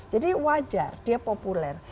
jadi wajar dia populer